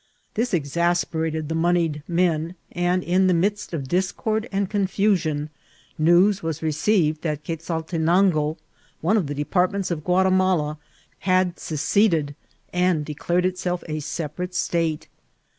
Thia exasperated the moneyed men ; and in the midst of dis cord and confusion news was received that Queialte nango, one of the departments of Guatimaki had se ceded, and declared itself a separate state.